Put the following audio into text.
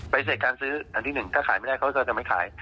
เสร็จการซื้ออันที่หนึ่งถ้าขายไม่ได้เขาก็จะไม่ขาย